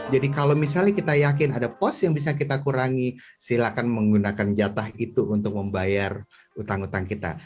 jadi kalau misalnya kita yakin ada pos yang bisa kita kurangi silakan menggunakan jatah itu untuk membayar utang utang kita